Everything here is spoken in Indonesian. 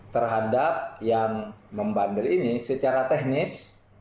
terhadap yang membandel ini secara teknis